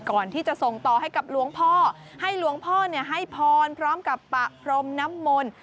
ก่อนที่จะส่งต่อให้กับหลวงพ่อให้หลวงพ่อให้พรพร้อมกับปะพรมน้ำมนต์